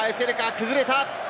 崩れた！